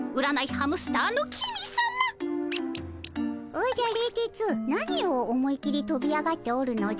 おじゃ冷徹何を思いっきりとび上がっておるのじゃ？